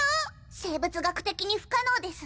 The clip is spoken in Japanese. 生物学的に不可能です。